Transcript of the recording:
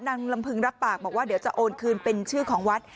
นางลำพึงรับปากบอกว่าเดี๋ยวจะโอนคืนเป็นชื่อของวัด